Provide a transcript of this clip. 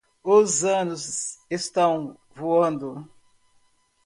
Os anos estão voando.